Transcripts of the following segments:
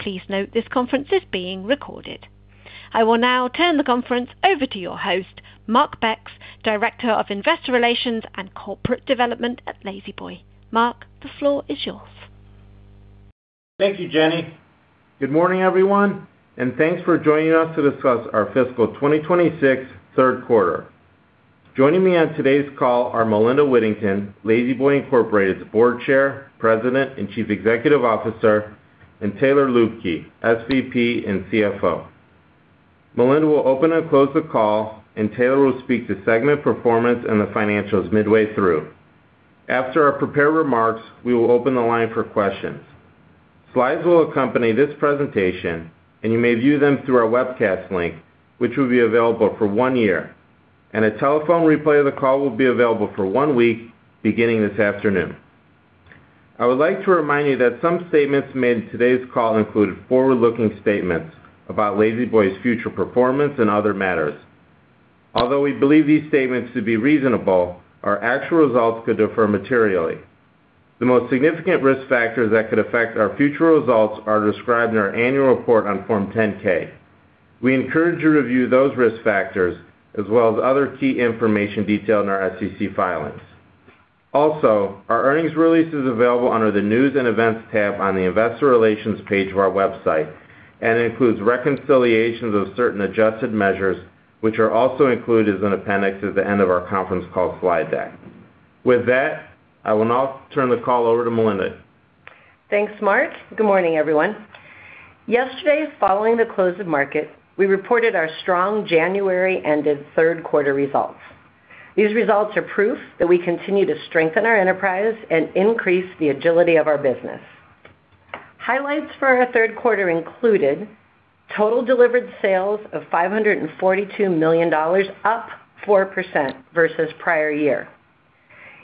Please note this conference is being recorded. I will now turn the conference over to your host, Mark Becks, Director of Investor Relations and Corporate Development at La-Z-Boy. Mark, the floor is yours. Thank you, Jenny. Good morning, everyone, and thanks for joining us to discuss our fiscal 2026 third quarter. Joining me on today's call are Melinda Whittington, La-Z-Boy Incorporated's Board Chair, President, and Chief Executive Officer, and Taylor Luebke, SVP and CFO. Melinda will open and close the call, and Taylor will speak to segment performance and the financials midway through. After our prepared remarks, we will open the line for questions. Slides will accompany this presentation, and you may view them through our webcast link, which will be available for one year, and a telephone replay of the call will be available for one week, beginning this afternoon. I would like to remind you that some statements made in today's call include forward-looking statements about La-Z-Boy's future performance and other matters. Although we believe these statements to be reasonable, our actual results could differ materially. The most significant risk factors that could affect our future results are described in our annual report on Form 10-K. We encourage you to review those risk factors as well as other key information detailed in our SEC filings. Also, our earnings release is available under the News and Events tab on the Investor Relations page of our website, and includes reconciliations of certain adjusted measures, which are also included as an appendix at the end of our conference call slide deck. With that, I will now turn the call over to Melinda. Thanks, Mark. Good morning, everyone. Yesterday, following the close of market, we reported our strong January-ended third quarter results. These results are proof that we continue to strengthen our enterprise and increase the agility of our business. Highlights for our third quarter included total delivered sales of $542 million, up 4% versus prior year.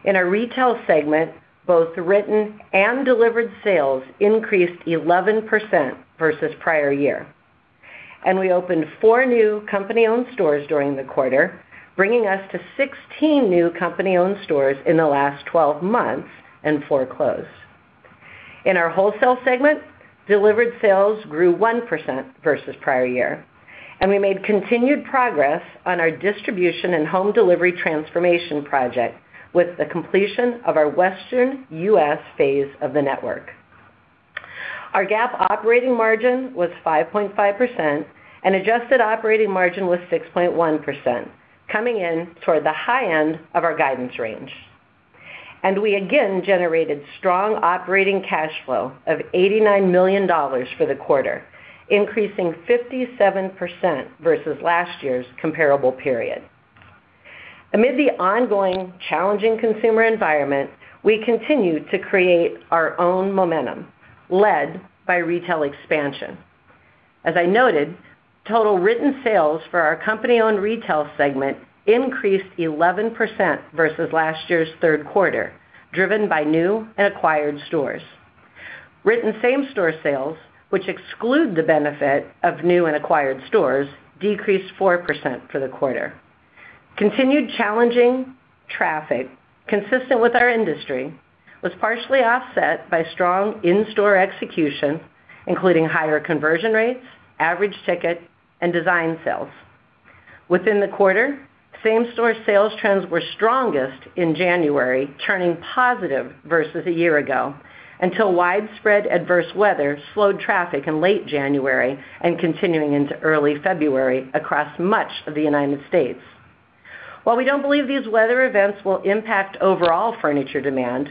In our retail segment, both written and delivered sales increased 11% versus prior year, and we opened four new company-owned stores during the quarter, bringing us to 16 new company-owned stores in the last twelve months and four closed. In our wholesale segment, delivered sales grew 1% versus prior year, and we made continued progress on our distribution and home delivery transformation project with the completion of our Western U.S. phase of the network. Our GAAP operating margin was 5.5%, and adjusted operating margin was 6.1%, coming in toward the high end of our guidance range. We again generated strong operating cash flow of $89 million for the quarter, increasing 57% versus last year's comparable period. Amid the ongoing challenging consumer environment, we continue to create our own momentum, led by retail expansion. As I noted, total written sales for our company-owned retail segment increased 11% versus last year's third quarter, driven by new and acquired stores. Written same-store sales, which exclude the benefit of new and acquired stores, decreased 4% for the quarter. Continued challenging traffic, consistent with our industry, was partially offset by strong in-store execution, including higher conversion rates, average ticket, and design sales. Within the quarter, same-store sales trends were strongest in January, turning positive versus a year ago, until widespread adverse weather slowed traffic in late January and continuing into early February across much of the United States. While we don't believe these weather events will impact overall furniture demand,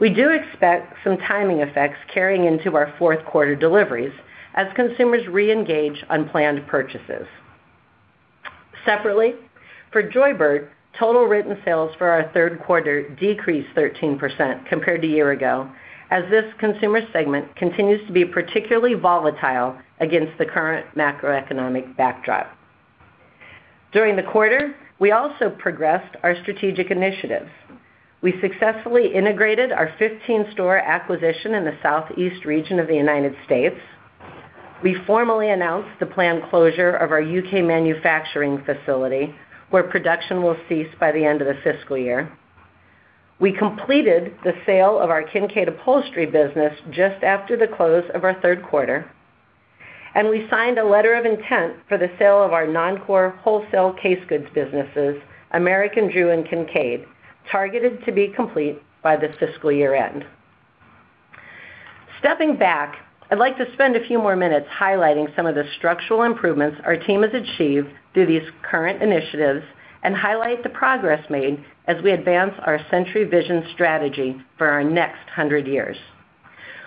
we do expect some timing effects carrying into our fourth quarter deliveries as consumers reengage on planned purchases. Separately, for Joybird, total written sales for our third quarter decreased 13% compared to a year ago, as this consumer segment continues to be particularly volatile against the current macroeconomic backdrop. During the quarter, we also progressed our strategic initiatives. We successfully integrated our 15-store acquisition in the Southeast region of the United States. We formally announced the planned closure of our U.K. manufacturing facility, where production will cease by the end of the fiscal year. We completed the sale of our Kincaid Upholstery business just after the close of our third quarter, and we signed a letter of intent for the sale of our non-core wholesale casegoods businesses, American Drew and Kincaid, targeted to be complete by this fiscal year-end. Stepping back, I'd like to spend a few more minutes highlighting some of the structural improvements our team has achieved through these current initiatives and highlight the progress made as we advance our Century Vision strategy for our next hundred years.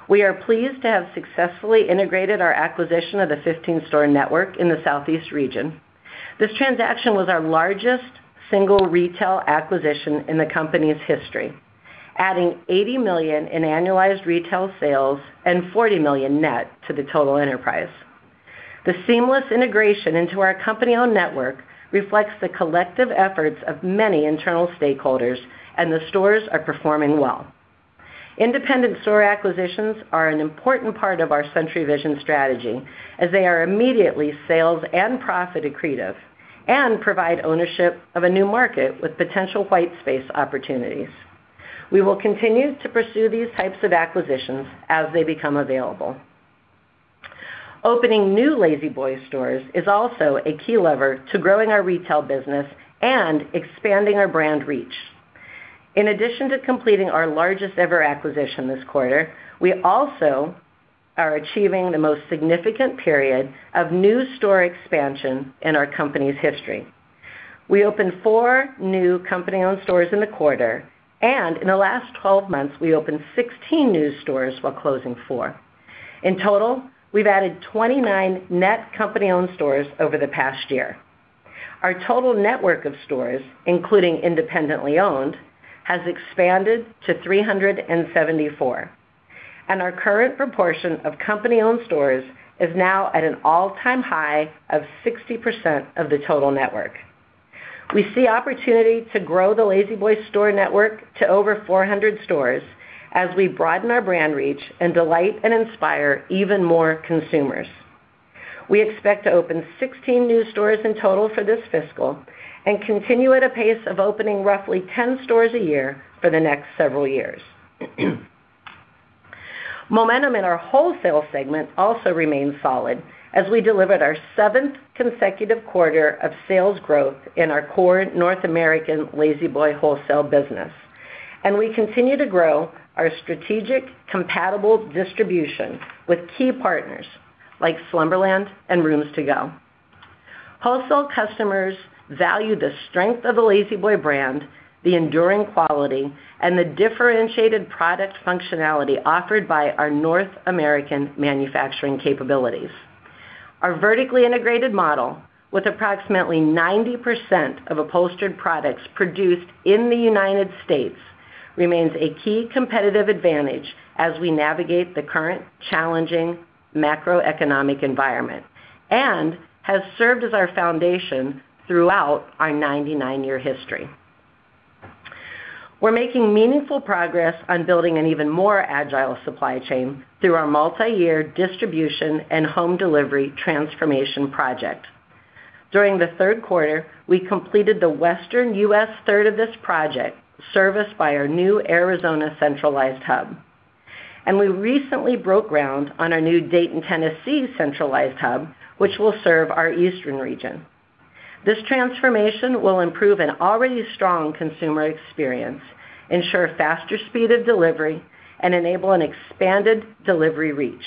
We are pleased to have successfully integrated our acquisition of the 15-store network in the Southeast region. This transaction was our largest single retail acquisition in the company's history, adding $80 million in annualized retail sales and $40 million net to the total enterprise. The seamless integration into our company-owned network reflects the collective efforts of many internal stakeholders, and the stores are performing well. Independent store acquisitions are an important part of our Century Vision strategy, as they are immediately sales and profit accretive and provide ownership of a new market with potential white space opportunities. We will continue to pursue these types of acquisitions as they become available. Opening new La-Z-Boy stores is also a key lever to growing our retail business and expanding our brand reach. In addition to completing our largest ever acquisition this quarter, we also are achieving the most significant period of new store expansion in our company's history. We opened four new company-owned stores in the quarter, and in the last 12 months, we opened 16 new stores while closing four. In total, we've added 29 net company-owned stores over the past year. Our total network of stores, including independently owned, has expanded to 374, and our current proportion of company-owned stores is now at an all-time high of 60% of the total network. We see opportunity to grow the La-Z-Boy store network to over 400 stores as we broaden our brand reach and delight and inspire even more consumers. We expect to open 16 new stores in total for this fiscal and continue at a pace of opening roughly 10 stores a year for the next several years. Momentum in our wholesale segment also remains solid as we delivered our seventh consecutive quarter of sales growth in our core North American La-Z-Boy wholesale business, and we continue to grow our strategic compatible distribution with key partners like Slumberland and Rooms To Go. Wholesale customers value the strength of the La-Z-Boy brand, the enduring quality, and the differentiated product functionality offered by our North American manufacturing capabilities. Our vertically integrated model, with approximately 90% of upholstered products produced in the United States, remains a key competitive advantage as we navigate the current challenging macroeconomic environment and has served as our foundation throughout our 99-year history. We're making meaningful progress on building an even more agile supply chain through our multi-year distribution and home delivery transformation project. During the third quarter, we completed the Western U.S. third of this project, serviced by our new Arizona centralized hub. We recently broke ground on our new Dayton, Tennessee, centralized hub, which will serve our eastern region. This transformation will improve an already strong consumer experience, ensure faster speed of delivery, and enable an expanded delivery reach.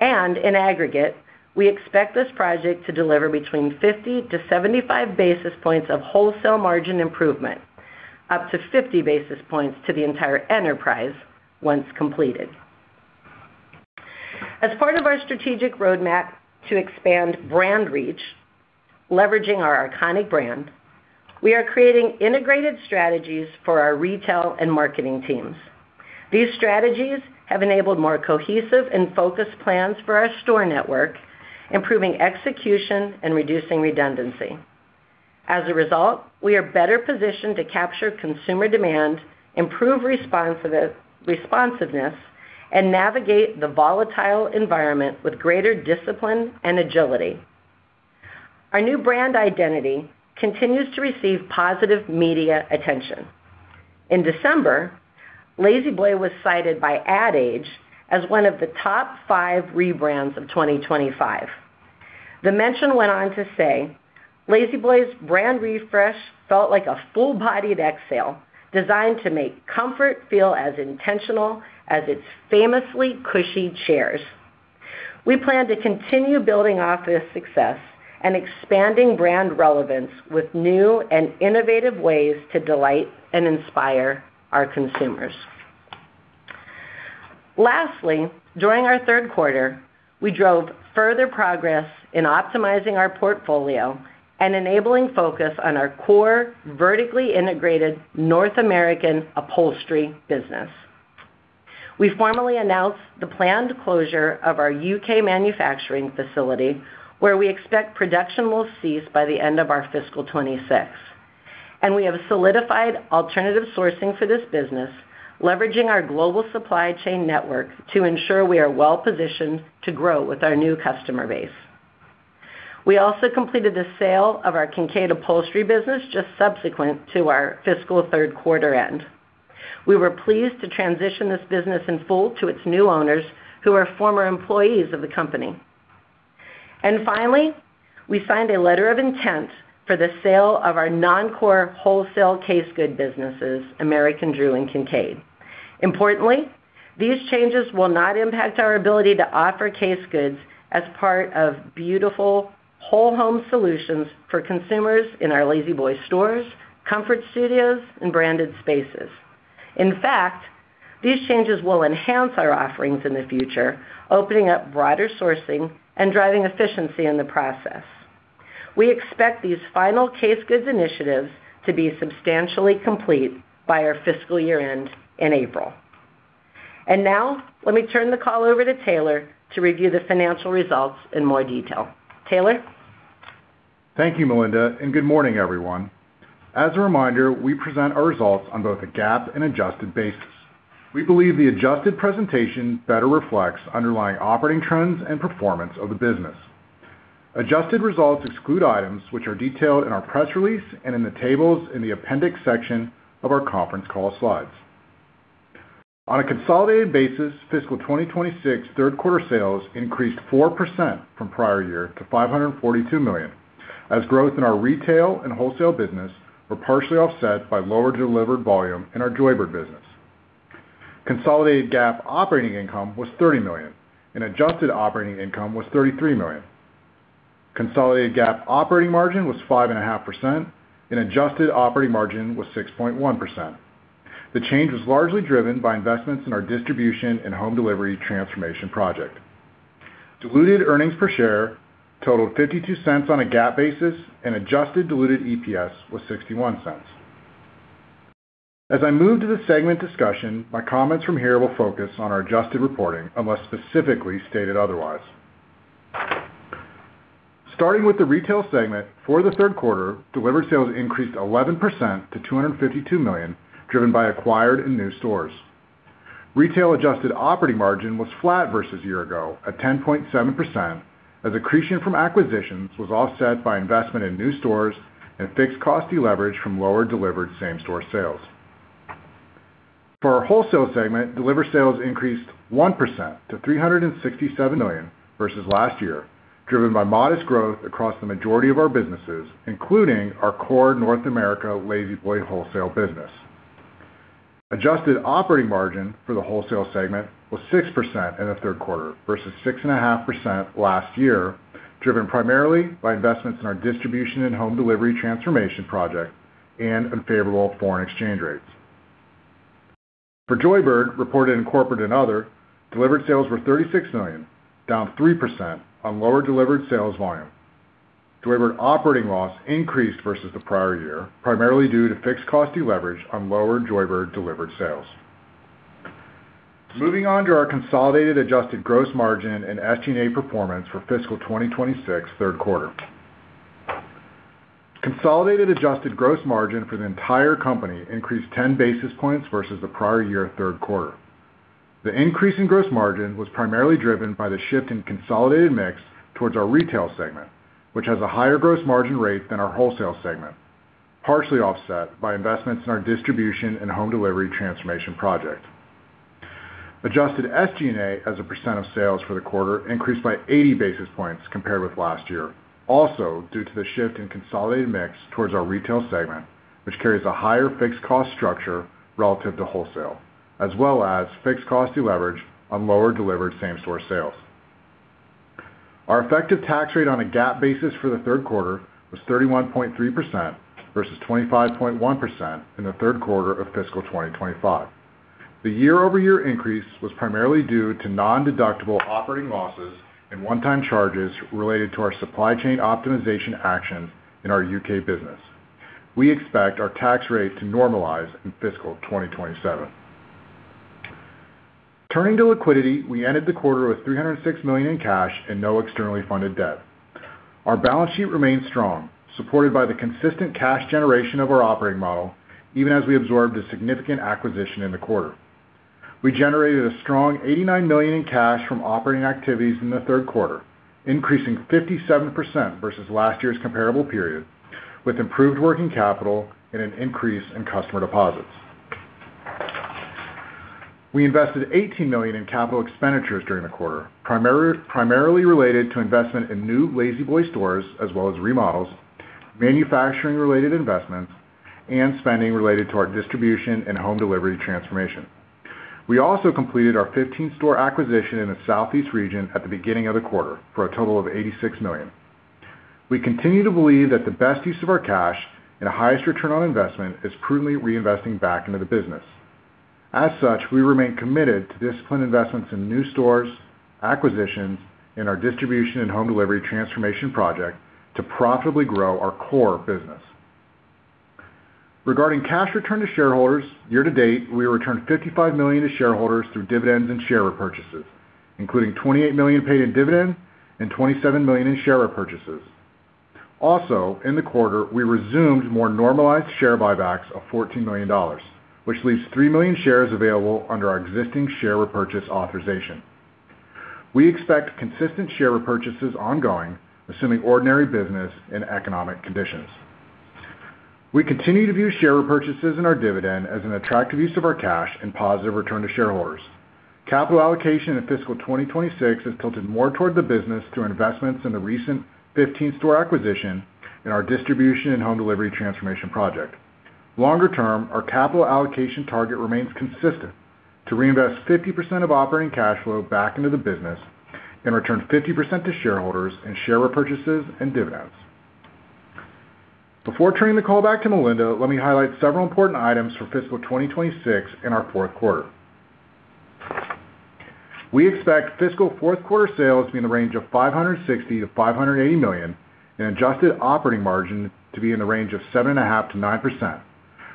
In aggregate, we expect this project to deliver between 50-75 basis points of wholesale margin improvement, up to 50 basis points to the entire enterprise once completed. As part of our strategic roadmap to expand brand reach, leveraging our iconic brand, we are creating integrated strategies for our retail and marketing teams. These strategies have enabled more cohesive and focused plans for our store network, improving execution and reducing redundancy. As a result, we are better positioned to capture consumer demand, improve responsiveness, and navigate the volatile environment with greater discipline and agility. Our new brand identity continues to receive positive media attention. In December, La-Z-Boy was cited by Ad Age as one of the top five rebrands of 2025. The mention went on to say, "La-Z-Boy's brand refresh felt like a full-bodied exhale, designed to make comfort feel as intentional as its famously cushy chairs." We plan to continue building off this success and expanding brand relevance with new and innovative ways to delight and inspire our consumers. Lastly, during our third quarter, we drove further progress in optimizing our portfolio and enabling focus on our core, vertically integrated North American upholstery business. We formally announced the planned closure of our U.K. manufacturing facility, where we expect production will cease by the end of our fiscal 2026. And we have solidified alternative sourcing for this business, leveraging our global supply chain network to ensure we are well-positioned to grow with our new customer base. We also completed the sale of our Kincaid Upholstery business just subsequent to our fiscal third quarter end. We were pleased to transition this business in full to its new owners, who are former employees of the company. And finally, we signed a letter of intent for the sale of our non-core wholesale casegoods businesses, American Drew and Kincaid. Importantly, these changes will not impact our ability to offer casegoods as part of beautiful whole home solutions for consumers in our La-Z-Boy stores, Comfort Studios, and branded spaces. In fact, these changes will enhance our offerings in the future, opening up broader sourcing and driving efficiency in the process. We expect these final casegoods initiatives to be substantially complete by our fiscal year-end in April. And now, let me turn the call over to Taylor to review the financial results in more detail. Taylor? Thank you, Melinda, and good morning, everyone. As a reminder, we present our results on both a GAAP and adjusted basis. We believe the adjusted presentation better reflects underlying operating trends and performance of the business. Adjusted results exclude items which are detailed in our press release and in the tables in the appendix section of our conference call slides. On a consolidated basis, fiscal 2026 third quarter sales increased 4% from prior year to $542 million, as growth in our retail and wholesale business were partially offset by lower delivered volume in our Joybird business. Consolidated GAAP operating income was $30 million, and adjusted operating income was $33 million. Consolidated GAAP operating margin was 5.5%, and adjusted operating margin was 6.1%. The change was largely driven by investments in our distribution and home delivery transformation project. Diluted earnings per share totaled $0.52 on a GAAP basis, and adjusted diluted EPS was $0.61. As I move to the segment discussion, my comments from here will focus on our adjusted reporting, unless specifically stated otherwise. Starting with the retail segment, for the third quarter, delivered sales increased 11% to $252 million, driven by acquired and new stores. Retail adjusted operating margin was flat versus year ago at 10.7%, as accretion from acquisitions was offset by investment in new stores and fixed cost deleverage from lower delivered same-store sales. For our wholesale segment, delivered sales increased 1% to $367 million versus last year, driven by modest growth across the majority of our businesses, including our core North America La-Z-Boy wholesale business. Adjusted operating margin for the wholesale segment was 6% in the third quarter versus 6.5% last year, driven primarily by investments in our distribution and home delivery transformation project and unfavorable foreign exchange rates. For Joybird, reported in corporate and other, delivered sales were $36 million, down 3% on lower delivered sales volume. Joybird operating loss increased versus the prior year, primarily due to fixed cost deleverage on lower Joybird delivered sales. Moving on to our consolidated adjusted gross margin and SG&A performance for fiscal 2026 third quarter. Consolidated adjusted gross margin for the entire company increased 10 basis points versus the prior year third quarter. The increase in gross margin was primarily driven by the shift in consolidated mix towards our retail segment, which has a higher gross margin rate than our wholesale segment, partially offset by investments in our distribution and home delivery transformation project. Adjusted SG&A, as a percent of sales for the quarter, increased by 80 basis points compared with last year, also due to the shift in consolidated mix towards our retail segment, which carries a higher fixed cost structure relative to wholesale, as well as fixed cost deleverage on lower delivered same-store sales. Our effective tax rate on a GAAP basis for the third quarter was 31.3% versus 25.1% in the third quarter of fiscal 2025. The year-over-year increase was primarily due to nondeductible operating losses and one-time charges related to our supply chain optimization action in our U.K. business. We expect our tax rate to normalize in fiscal 2027. Turning to liquidity, we ended the quarter with $306 million in cash and no externally funded debt. Our balance sheet remains strong, supported by the consistent cash generation of our operating model, even as we absorbed a significant acquisition in the quarter. We generated a strong $89 million in cash from operating activities in the third quarter, increasing 57% versus last year's comparable period, with improved working capital and an increase in customer deposits. We invested $18 million in capital expenditures during the quarter, primarily related to investment in new La-Z-Boy stores, as well as remodels, manufacturing-related investments, and spending related to our distribution and home delivery transformation. We also completed our 15-store acquisition in the Southeast region at the beginning of the quarter for a total of $86 million. We continue to believe that the best use of our cash and the highest return on investment is prudently reinvesting back into the business. As such, we remain committed to disciplined investments in new stores, acquisitions, and our distribution and home delivery transformation project to profitably grow our core business. Regarding cash return to shareholders, year to date, we returned $55 million to shareholders through dividends and share repurchases, including $28 million paid in dividend and $27 million in share repurchases. Also, in the quarter, we resumed more normalized share buybacks of $14 million, which leaves 3 million shares available under our existing share repurchase authorization. We expect consistent share repurchases ongoing, assuming ordinary business and economic conditions. We continue to view share repurchases and our dividend as an attractive use of our cash and positive return to shareholders. Capital allocation in fiscal 2026 has tilted more toward the business through investments in the recent 15-store acquisition and our distribution and home delivery transformation project. Longer term, our capital allocation target remains consistent: to reinvest 50% of operating cash flow back into the business and return 50% to shareholders in share repurchases and dividends. Before turning the call back to Melinda, let me highlight several important items for fiscal 2026 in our fourth quarter. We expect fiscal fourth quarter sales to be in the range of $560 million-$580 million, and adjusted operating margin to be in the range of 7.5%-9%,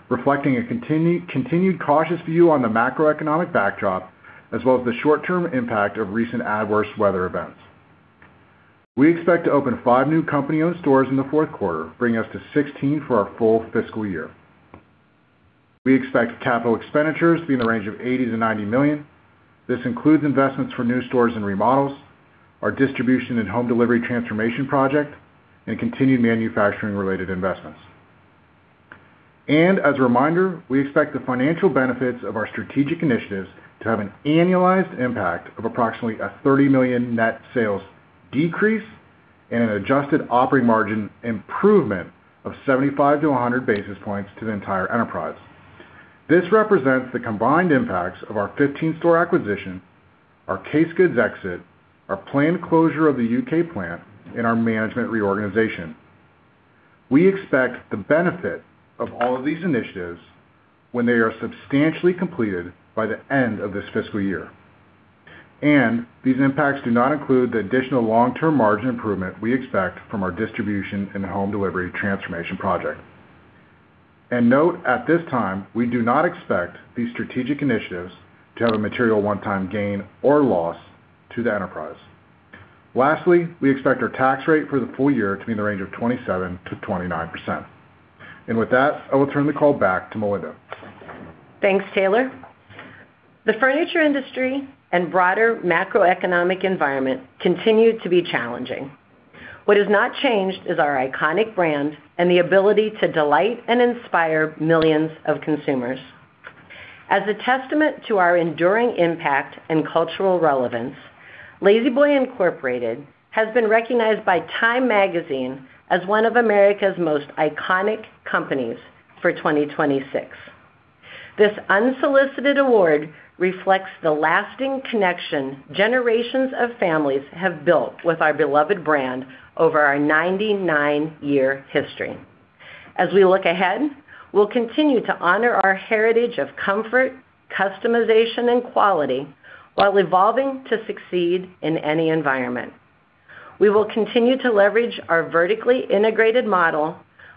reflecting a continued cautious view on the macroeconomic backdrop, as well as the short-term impact of recent adverse weather events. We expect to open five new company-owned stores in the fourth quarter, bringing us to 16 for our full fiscal year. We expect capital expenditures to be in the range of $80-$90 million. This includes investments for new stores and remodels, our distribution and home delivery transformation project, and continued manufacturing-related investments. As a reminder, we expect the financial benefits of our strategic initiatives to have an annualized impact of approximately a $30 million net sales decrease and an adjusted operating margin improvement of 75-100 basis points to the entire enterprise. This represents the combined impacts of our 15-store acquisition, our casegoods exit, our planned closure of the U.K. plant, and our management reorganization. We expect the benefit of all of these initiatives when they are substantially completed by the end of this fiscal year. These impacts do not include the additional long-term margin improvement we expect from our distribution and home delivery transformation project. Note, at this time, we do not expect these strategic initiatives to have a material one-time gain or loss to the enterprise. Lastly, we expect our tax rate for the full year to be in the range of 27%-29%. And with that, I will turn the call back to Melinda. Thanks, Taylor. The furniture industry and broader macroeconomic environment continue to be challenging. What has not changed is our iconic brand and the ability to delight and inspire millions of consumers. As a testament to our enduring impact and cultural relevance, La-Z-Boy Incorporated has been recognized by Time Magazine as one of America's most iconic companies for 2026. This unsolicited award reflects the lasting connection generations of families have built with our beloved brand over our 99-year history. As we look ahead, we'll continue to honor our heritage of comfort, customization, and quality while evolving to succeed in any environment. We will continue to leverage our vertically integrated model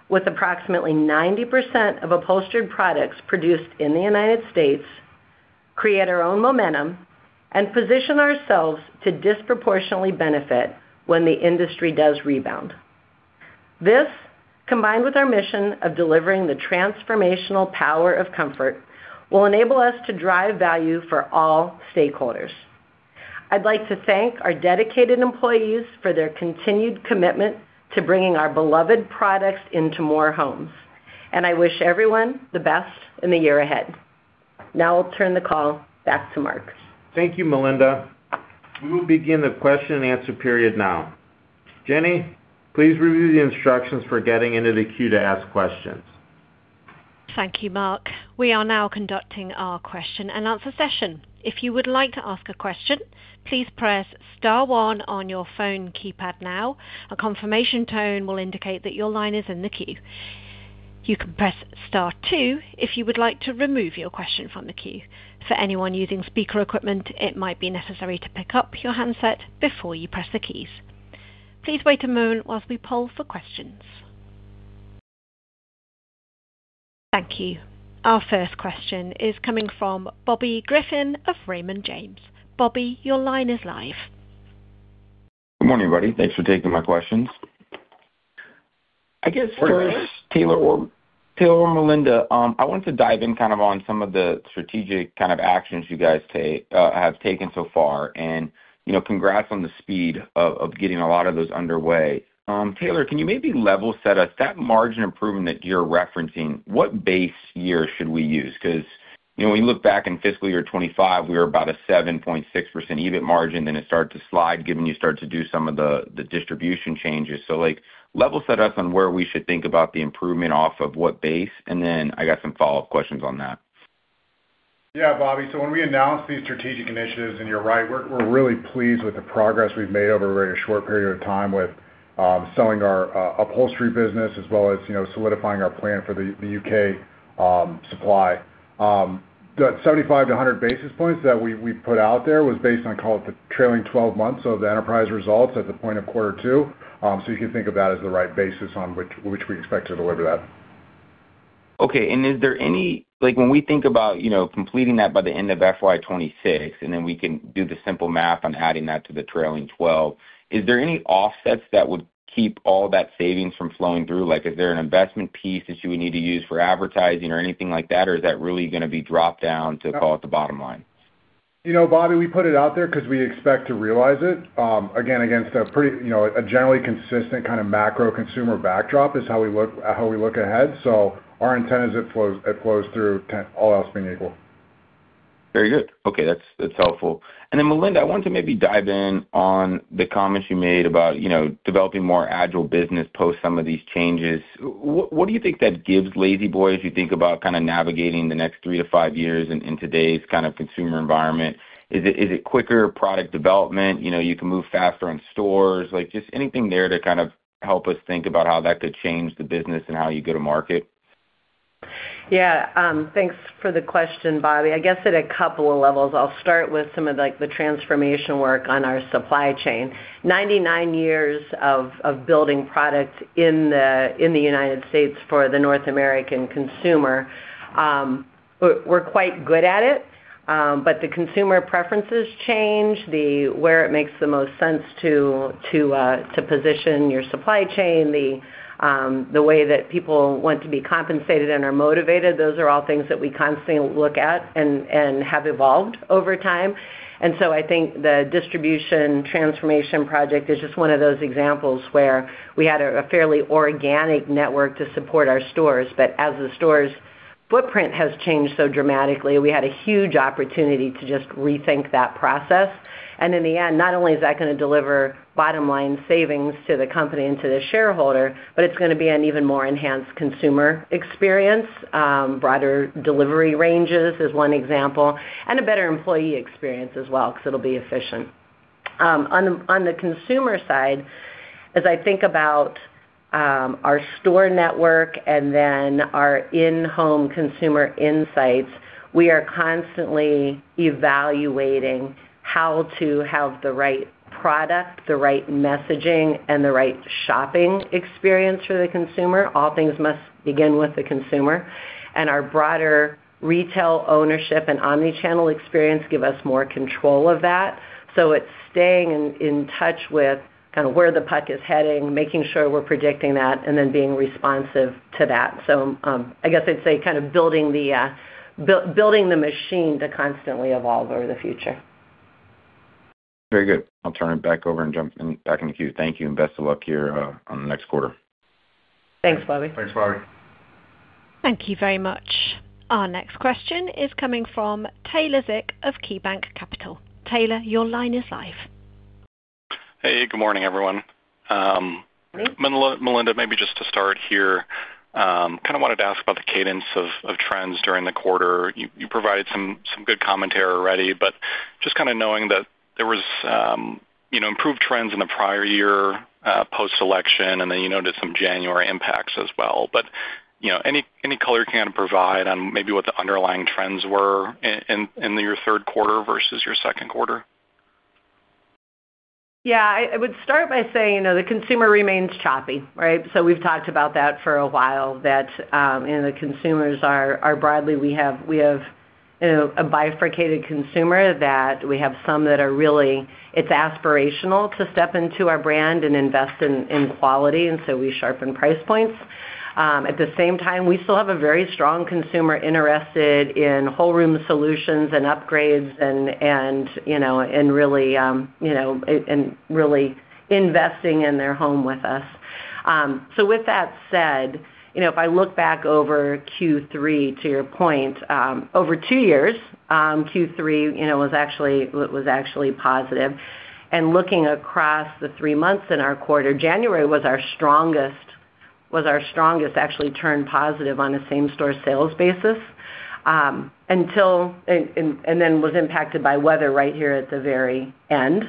with approximately 90% of upholstered products produced in the United States, create our own momentum, and position ourselves to disproportionately benefit when the industry does rebound. This, combined with our mission of delivering the transformational power of comfort, will enable us to drive value for all stakeholders. I'd like to thank our dedicated employees for their continued commitment to bringing our beloved products into more homes, and I wish everyone the best in the year ahead. Now I'll turn the call back to Mark. Thank you, Melinda. We will begin the question and answer period now. Jenny, please review the instructions for getting into the queue to ask questions. Thank you, Mark. We are now conducting our question and answer session. If you would like to ask a question, please press star one on your phone keypad now. A confirmation tone will indicate that your line is in the queue. You can press star two if you would like to remove your question from the queue. For anyone using speaker equipment, it might be necessary to pick up your handset before you press the keys. Please wait a moment while we poll for questions. Thank you. Our first question is coming from Bobby Griffin of Raymond James. Bobby, your line is live. Good morning, everybody. Thanks for taking my questions. I guess first, Taylor or Melinda, I want to dive in kind of on some of the strategic kind of actions you guys have taken so far. And, you know, congrats on the speed of getting a lot of those underway. Taylor, can you maybe level set us, that margin improvement that you're referencing, what base year should we use? Because, you know, when you look back in fiscal year 2025, we were about a 7.6% EBIT margin, then it started to slide, given you started to do some of the distribution changes. So, like, level set us on where we should think about the improvement off of what base, and then I got some follow-up questions on that. Yeah, Bobby. So when we announced these strategic initiatives, and you're right, we're really pleased with the progress we've made over a very short period of time with selling our upholstery business, as well as, you know, solidifying our plan for the U.K. supply. That 75-100 basis points that we put out there was based on, call it, the trailing twelve months of the enterprise results at the point of quarter two. So you can think of that as the right basis on which we expect to deliver that. Okay, and is there any—like, when we think about, you know, completing that by the end of FY 2026, and then we can do the simple math on adding that to the trailing twelve, is there any offsets that would keep all that savings from flowing through? Like, is there an investment piece that you would need to use for advertising or anything like that? Or is that really gonna be dropped down to, call it, the bottom line? You know, Bobby, we put it out there because we expect to realize it, again, against a pretty, you know, a generally consistent kind of macro consumer backdrop is how we look ahead. So our intent is it flows through 10, all else being equal. Very good. Okay, that's, that's helpful. And then, Melinda, I want to maybe dive in on the comments you made about, you know, developing more agile business post some of these changes. What do you think that gives La-Z-Boy, as you think about kind of navigating the next three to five years in today's kind of consumer environment? Is it quicker product development? You know, you can move faster on stores. Like, just anything there to kind of help us think about how that could change the business and how you go to market. Yeah, thanks for the question, Bobby. I guess at a couple of levels, I'll start with some of the transformation work on our supply chain. 99 years of building product in the United States for the North American consumer, we're quite good at it. But the consumer preferences change, where it makes the most sense to position your supply chain, the way that people want to be compensated and are motivated, those are all things that we constantly look at and have evolved over time. And so I think the distribution transformation project is just one of those examples where we had a fairly organic network to support our stores, but as the store's footprint has changed so dramatically, we had a huge opportunity to just rethink that process. In the end, not only is that going to deliver bottom-line savings to the company and to the shareholder, but it's going to be an even more enhanced consumer experience. Broader delivery ranges is one example, and a better employee experience as well, because it'll be efficient. On the consumer side, as I think about our store network and then our in-home consumer insights, we are constantly evaluating how to have the right product, the right messaging, and the right shopping experience for the consumer. All things must begin with the consumer, and our broader retail ownership and omni-channel experience give us more control of that. It's staying in touch with kind of where the puck is heading, making sure we're predicting that, and then being responsive to that. So, I guess I'd say kind of building the machine to constantly evolve over the future. Very good. I'll turn it back over and jump in, back in the queue. Thank you, and best of luck here, on the next quarter. Thanks, Bobby. Thanks, Bobby. Thank you very much. Our next question is coming from Taylor Zick of KeyBanc Capital. Taylor, your line is live. Hey, good morning, everyone. Melinda, Melinda, maybe just to start here, kind of wanted to ask about the cadence of trends during the quarter. You provided some good commentary already, but just kind of knowing that there was, you know, improved trends in the prior year, post-election, and then you noted some January impacts as well. But, you know, any color you can provide on maybe what the underlying trends were in your third quarter versus your second quarter? Yeah, I would start by saying, you know, the consumer remains choppy, right? So we've talked about that for a while, that and the consumers are broadly we have, you know, a bifurcated consumer, that we have some that are really... It's aspirational to step into our brand and invest in quality, and so we sharpen price points. At the same time, we still have a very strong consumer interested in whole room solutions and upgrades and, you know, and really investing in their home with us. So with that said, you know, if I look back over Q3, to your point, over two years, Q3, you know, was actually positive. And looking across the three months in our quarter, January was our strongest, was our strongest, actually turned positive on a same-store sales basis, until... And then was impacted by weather right here at the very end.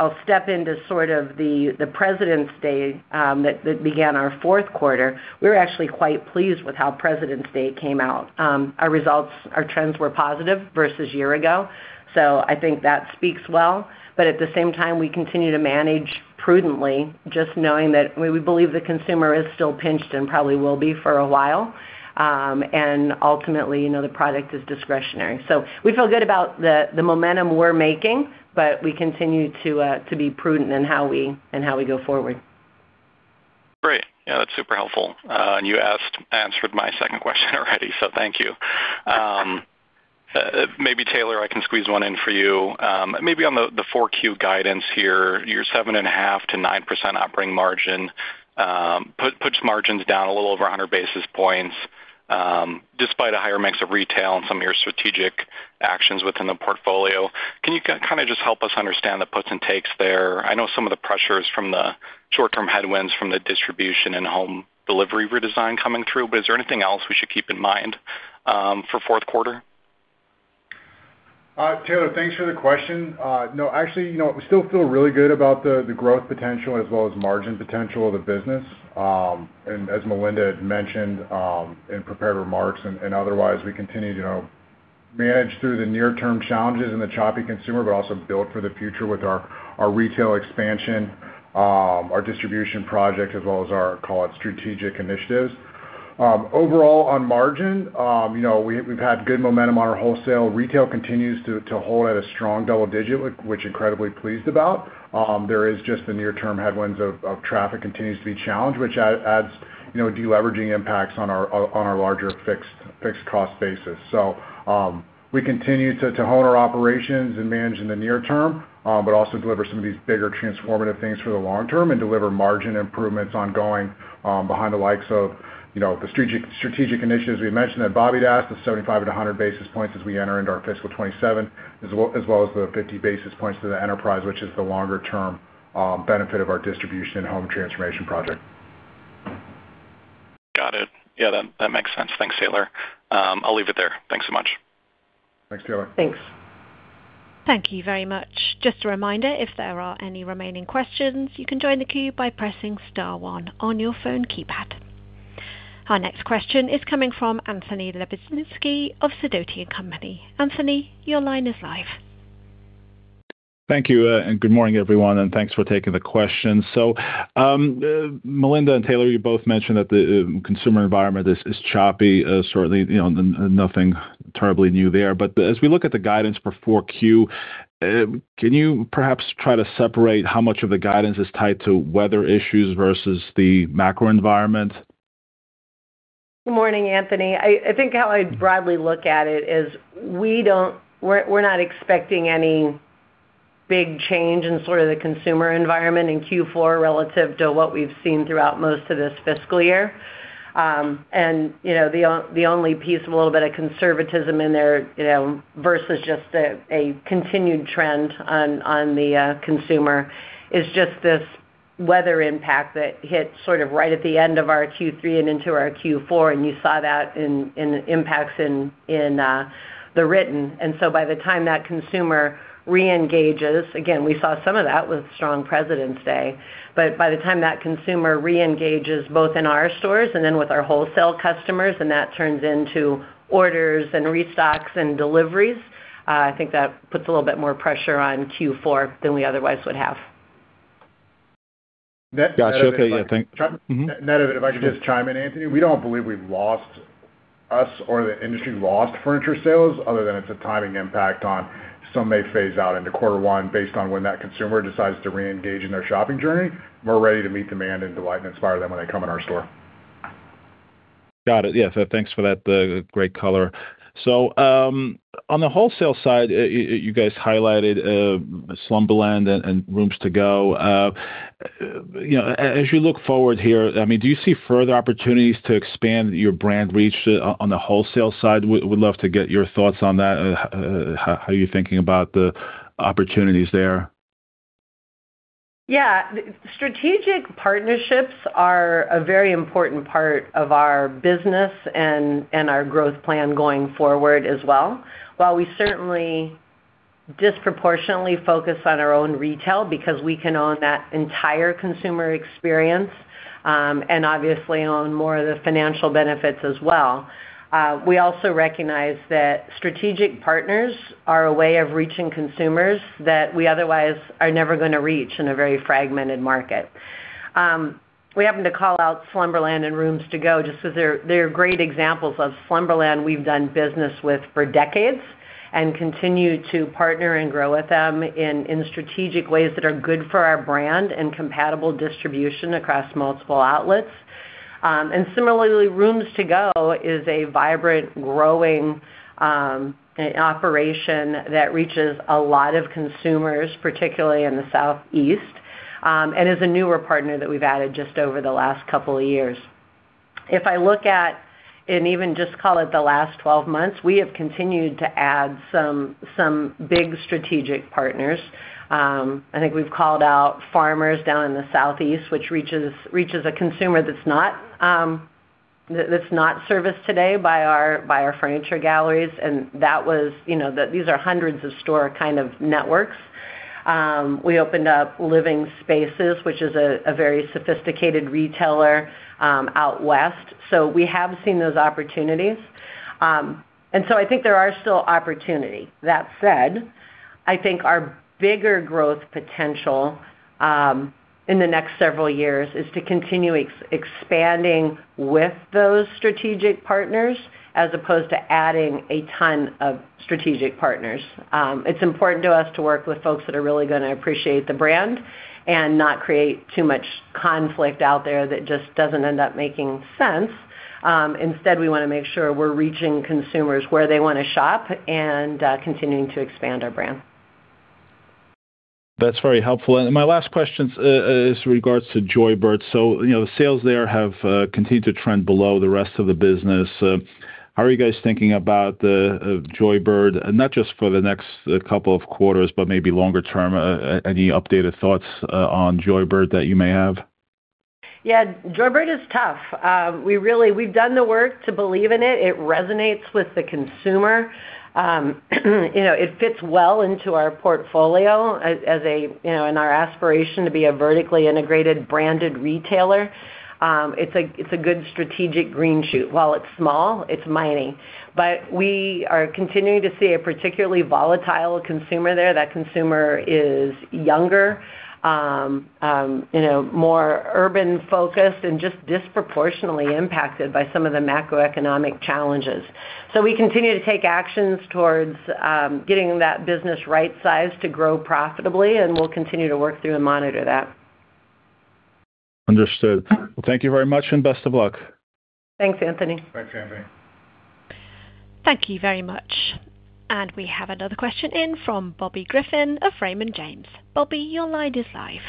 I'll step into sort of the President's Day that began our fourth quarter. We were actually quite pleased with how President's Day came out. Our results, our trends were positive versus year ago, so I think that speaks well. But at the same time, we continue to manage prudently, just knowing that we believe the consumer is still pinched and probably will be for a while. And ultimately, you know, the product is discretionary. So we feel good about the momentum we're making, but we continue to be prudent in how we go forward. Great. Yeah, that's super helpful. And you answered my second question already, so thank you. Maybe, Taylor, I can squeeze one in for you. Maybe on the 4Q guidance here, your 7.5%-9% operating margin puts margins down a little over 100 basis points, despite a higher mix of retail and some of your strategic actions within the portfolio. Can you kind of just help us understand the puts and takes there? I know some of the pressures from the short-term headwinds from the distribution and home delivery redesign coming through, but is there anything else we should keep in mind for fourth quarter? Taylor, thanks for the question. No, actually, you know, we still feel really good about the growth potential as well as margin potential of the business. And as Melinda had mentioned, in prepared remarks and otherwise, we continue to, you know, manage through the near-term challenges in the choppy consumer, but also build for the future with our retail expansion, our distribution project, as well as our, call it, strategic initiatives. Overall, on margin, you know, we, we've had good momentum on our wholesale. Retail continues to hold at a strong double digit, which incredibly pleased about. There is just the near-term headwinds of traffic continues to be challenged, which adds, you know, deleveraging impacts on our larger fixed cost basis. So, we continue to hone our operations and manage in the near term, but also deliver some of these bigger transformative things for the long term and deliver margin improvements ongoing, behind the likes of, you know, the strategic initiatives we mentioned that Bobby asked, the 75-100 basis points as we enter into our fiscal 2027, as well as the 50 basis points to the enterprise, which is the longer term benefit of our distribution and home transformation project. Got it. Yeah, that, that makes sense. Thanks, Taylor. I'll leave it there. Thanks so much. Thanks, Taylor. Thanks. Thank you very much. Just a reminder, if there are any remaining questions, you can join the queue by pressing star one on your phone keypad. Our next question is coming from Anthony Lebiedzinski of Sidoti & Company. Anthony, your line is live. Thank you, and good morning, everyone, and thanks for taking the questions. So, Melinda and Taylor, you both mentioned that the consumer environment is choppy, certainly, you know, nothing terribly new there. But as we look at the guidance for 4Q, can you perhaps try to separate how much of the guidance is tied to weather issues versus the macro environment? Good morning, Anthony. I think how I'd broadly look at it is we're not expecting any big change in sort of the consumer environment in Q4 relative to what we've seen throughout most of this fiscal year. And, you know, the only piece, a little bit of conservatism in there, you know, versus just a continued trend on the consumer, is just this weather impact that hit sort of right at the end of our Q3 and into our Q4, and you saw that in the impacts in the written. And so by the time that consumer reengages... Again, we saw some of that with strong President's Day. But by the time that consumer reengages, both in our stores and then with our wholesale customers, and that turns into orders and restocks and deliveries, I think that puts a little bit more pressure on Q4 than we otherwise would have. Got you. Okay, I think-... Mm-hmm. If I could just chime in, Anthony, we don't believe we've lost, us or the industry, lost furniture sales other than it's a timing impact on some may phase out into quarter one. Based on when that consumer decides to reengage in their shopping journey, we're ready to meet demand and delight and inspire them when they come in our store. Got it. Yeah, so thanks for that, great color. So, on the wholesale side, you guys highlighted Slumberland and Rooms To Go. You know, as you look forward here, I mean, do you see further opportunities to expand your brand reach on the wholesale side? Would love to get your thoughts on that. How are you thinking about the opportunities there? Yeah. Strategic partnerships are a very important part of our business and our growth plan going forward as well. While we certainly disproportionately focus on our own retail, because we can own that entire consumer experience, and obviously own more of the financial benefits as well, we also recognize that strategic partners are a way of reaching consumers that we otherwise are never gonna reach in a very fragmented market. We happen to call out Slumberland and Rooms To Go, just because they're great examples of Slumberland we've done business with for decades and continue to partner and grow with them in strategic ways that are good for our brand and compatible distribution across multiple outlets. And similarly, Rooms To Go is a vibrant, growing operation that reaches a lot of consumers, particularly in the Southeast, and is a newer partner that we've added just over the last couple of years. If I look at, and even just call it the last 12 months, we have continued to add some big strategic partners. I think we've called out Farmers down in the Southeast, which reaches a consumer that's not serviced today by our furniture galleries, and that was, you know, these are hundreds of store kind of networks. We opened up Living Spaces, which is a very sophisticated retailer out west, so we have seen those opportunities. And so I think there are still opportunity. That said, I think our bigger growth potential in the next several years is to continue expanding with those strategic partners as opposed to adding a ton of strategic partners. It's important to us to work with folks that are really gonna appreciate the brand and not create too much conflict out there that just doesn't end up making sense. Instead, we want to make sure we're reaching consumers where they want to shop and continuing to expand our brand. That's very helpful. My last question is regards to Joybird. So, you know, sales there have continued to trend below the rest of the business. How are you guys thinking about the Joybird? Not just for the next couple of quarters, but maybe longer term. Any updated thoughts on Joybird that you may have? Yeah, Joybird is tough. We really- we've done the work to believe in it. It resonates with the consumer. You know, it fits well into our portfolio as, as a, you know, in our aspiration to be a vertically integrated, branded retailer. It's a, it's a good strategic green shoot. While it's small, it's mining. But we are continuing to see a particularly volatile consumer there. That consumer is younger, you know, more urban-focused and just disproportionately impacted by some of the macroeconomic challenges. So we continue to take actions towards, getting that business right sized to grow profitably, and we'll continue to work through and monitor that. Understood. Thank you very much, and best of luck. Thanks, Anthony. Thanks, Anthony. Thank you very much. And we have another question in from Bobby Griffin of Raymond James. Bobby, your line is live.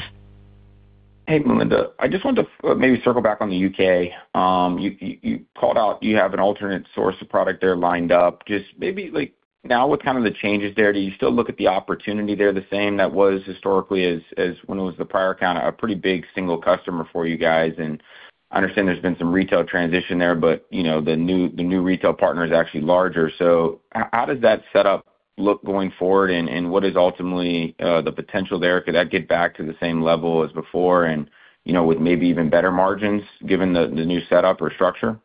Hey, Melinda. I just want to maybe circle back on the U.K. You called out you have an alternate source of product there lined up. Just maybe, like, now, what kind of the changes there, do you still look at the opportunity there, the same that was historically as when it was the prior account, a pretty big single customer for you guys, and I understand there's been some retail transition there, but, you know, the new retail partner is actually larger. So how does that set up look going forward, and what is ultimately the potential there? Could that get back to the same level as before and, you know, with maybe even better margins, given the new setup or structure? Yeah,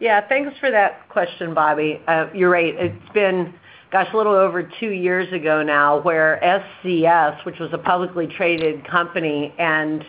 thanks for that question, Bobby. You're right. It's been, gosh, a little over two years ago now, where ScS, which was a publicly traded company and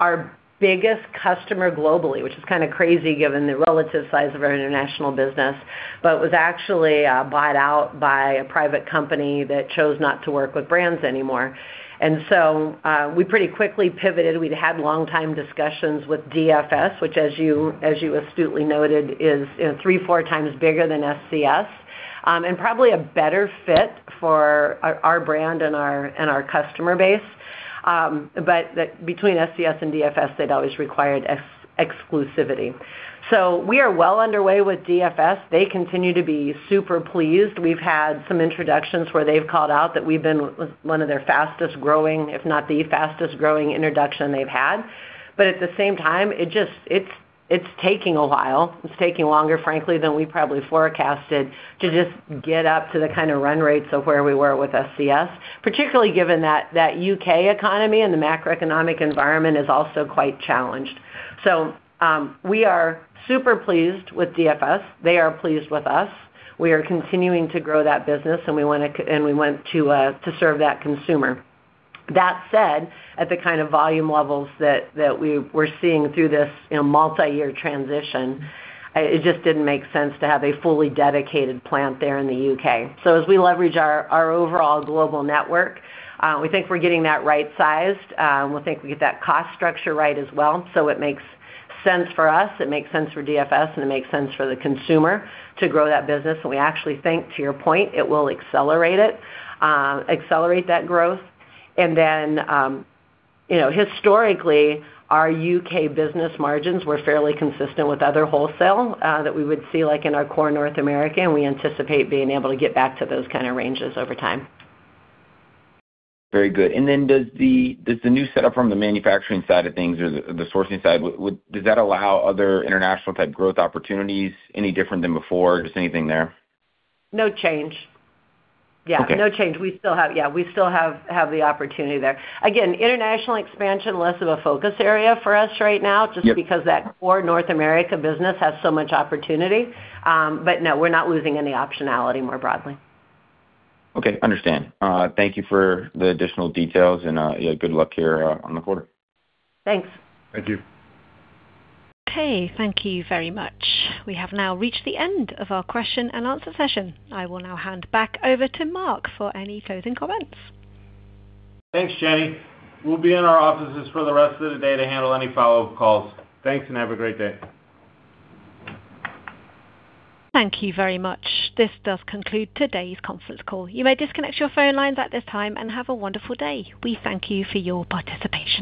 our biggest customer globally, which is kind of crazy given the relative size of our international business, but was actually bought out by a private company that chose not to work with brands anymore. And so, we pretty quickly pivoted. We'd had long-time discussions with DFS, which, as you astutely noted, is, you know, three, four times bigger than ScS, and probably a better fit for our brand and our customer base. But between ScS and DFS, they'd always required exclusivity. So we are well underway with DFS. They continue to be super pleased. We've had some introductions where they've called out that we've been one of their fastest growing, if not the fastest growing introduction they've had. But at the same time, it just—it's taking a while. It's taking longer, frankly, than we probably forecasted, to just get up to the kind of run rates of where we were with ScS, particularly given that U.K. economy and the macroeconomic environment is also quite challenged. So, we are super pleased with DFS. They are pleased with us. We are continuing to grow that business, and we want to serve that consumer. That said, at the kind of volume levels that we're seeing through this, you know, multi-year transition, it just didn't make sense to have a fully dedicated plant there in the U.K. So as we leverage our overall global network, we think we're getting that right-sized. We think we get that cost structure right as well. So it makes sense for us, it makes sense for DFS, and it makes sense for the consumer to grow that business. And we actually think, to your point, it will accelerate that growth. And then, you know, historically, our U.K. business margins were fairly consistent with other wholesale that we would see, like in our core North America, and we anticipate being able to get back to those kind of ranges over time. Very good. And then, does the new setup from the manufacturing side of things or the sourcing side, does that allow other international type growth opportunities any different than before? Just anything there. No change. Okay. Yeah, no change. We still have... Yeah, we still have the opportunity there. Again, international expansion, less of a focus area for us right now... Yep. Just because that core North America business has so much opportunity. No, we're not losing any optionality more broadly. Okay, understand. Thank you for the additional details, and yeah, good luck here on the quarter. Thanks. Thank you. Okay, thank you very much. We have now reached the end of our question and answer session. I will now hand back over to Mark for any closing comments. Thanks, Jenny. We'll be in our offices for the rest of the day to handle any follow-up calls. Thanks, and have a great day. Thank you very much. This does conclude today's conference call. You may disconnect your phone lines at this time and have a wonderful day. We thank you for your participation.